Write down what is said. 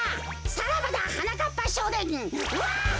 さらばだはなかっぱしょうねん！